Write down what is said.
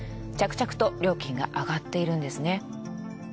着々と料金が上がっているんですね。